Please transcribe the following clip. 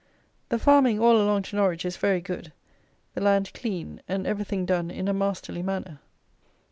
The farming all along to Norwich is very good. The land clean, and everything done in a masterly manner.